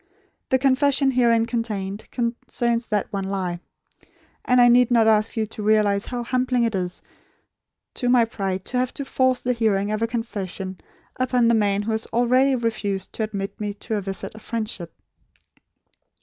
The confession herein contained, concerns that one lie; and I need not ask you to realise how humbling it is to my pride to have to force the hearing of a confession upon the man who has already refused to admit me to a visit of friendship.